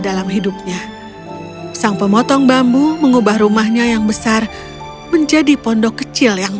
dalam hidupnya sang pemotong bambu mengubah rumahnya yang besar menjadi pondok kecil yang